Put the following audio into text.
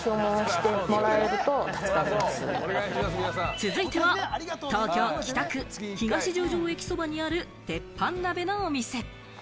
続いては東京・北区、東十条駅そばにある鉄板鍋のお店。